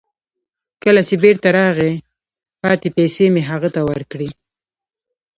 کله چې بیرته راغی، پاتې پیسې مې هغه ته ورکړې.